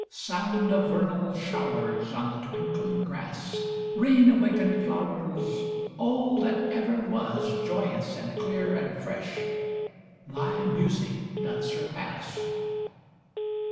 Sound of vernal showers On the twinkling grass, Rain awaken'd flowers, All that ever was, Joyous and clear and fresh, thy music doth surpass.